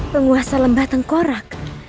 penguasa lembah tengkorak